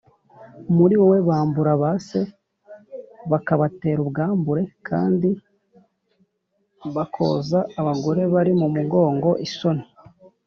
Muri wowe bambura ba se bakabatera ubwambure, kandi bakoza abagore bari mu mugongo isoni